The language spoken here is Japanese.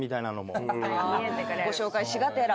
あご紹介しがてら。